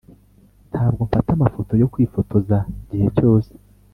ntabwo mfata amafoto yo kwifotoza igihe cyose,